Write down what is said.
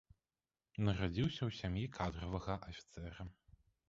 Нарадзіўся ў сям'і кадравага афіцэра.